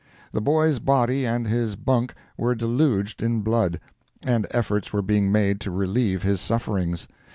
The boy's body and his bunk were deluged in blood, and efforts were being made to relieve his sufferings.